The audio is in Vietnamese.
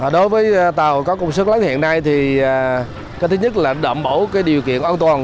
đối với tàu có công suất lớn hiện nay thì thứ nhất là đảm bảo điều kiện an toàn